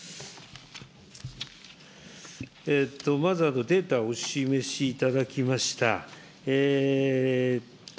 まず、データをお示しいただきました。